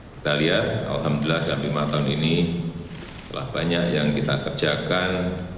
kita lihat alhamdulillah dalam lima tahun ini telah banyak yang kita kerjakan